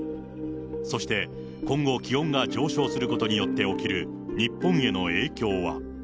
そして今後気温が上昇することによって起きる日本への影響は。